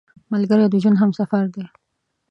ملګری د ژوند همسفر دی